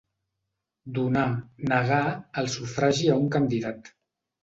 Donar, negar, el sufragi a un candidat.